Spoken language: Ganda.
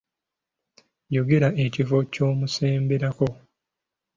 Yogera ekifo ky'omusemberako.